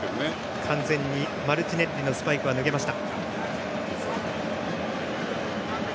完全にマルチネッリのスパイクは脱げました。